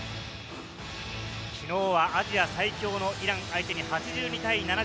昨日はアジア最強のイラン相手に８２対７７。